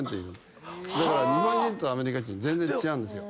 だから日本人とアメリカ人全然違うんですよ。